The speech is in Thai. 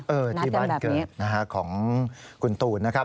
เออที่บ้านเกิดของคุณตูนนะครับ